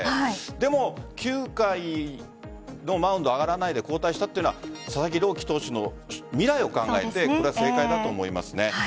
でも９回のマウンドに上がらないで交代したというのは佐々木朗希投手の未来を考えて正解だと思います。